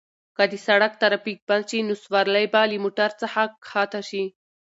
که د سړک ترافیک بند شي نو سوارلۍ به له موټر څخه کښته شي.